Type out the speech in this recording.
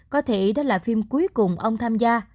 có thể đó là phim cuối cùng ông tham gia